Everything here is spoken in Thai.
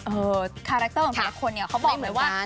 เออคาแรคเตอร์ของพวกนี้เขาบอกเลยว่า